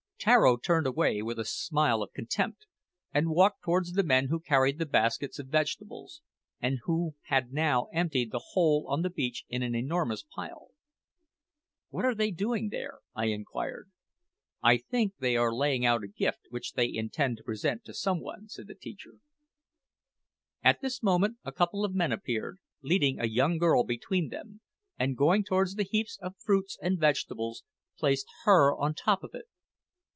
Tararo turned away with a smile of contempt, and walked towards the men who carried the baskets of vegetables, and who had now emptied the whole on the beach in an enormous pile. "What are they doing there?" I inquired. "I think that they are laying out a gift which they intend to present to some one," said the teacher. At this moment a couple of men appeared, leading a young girl between them, and going towards the heap of fruits and vegetables, placed her on top of it.